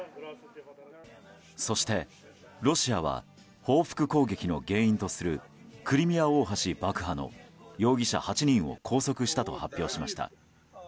そしてロシアは報復攻撃の原因とするクリミア大橋爆破の容疑者８人を拘束したと発表しました。